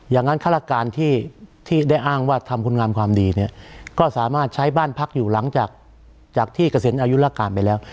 อย่างนั้นฆาตการที่ได้อ้างว่าทำคุณงามความดีเนี่ยก็สามารถใช้บ้านพักอยู่หลังจากที่เกษียณอายุราการไปแล้ว